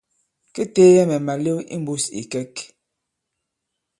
Kê teeyɛ mɛ̀ màlew i mbūs ì ìkɛ̌k.